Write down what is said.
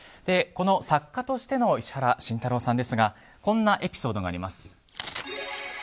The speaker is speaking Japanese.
この作家としての石原慎太郎さんですがこんなエピソードがあります。